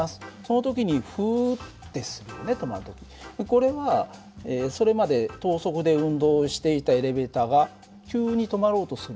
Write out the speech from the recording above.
これはそれまで等速で運動をしていたエレベーターが急に止まろうとする。